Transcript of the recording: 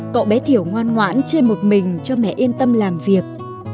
cậu bé thiều ngoan ngoãn chơi một mình cho mẹ yên tâm làm việc